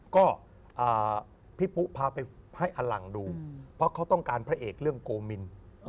ก็พี่ปุ๊พาไปให้อลังดูเพราะเขาต้องการพระเอกเรื่องโกมิน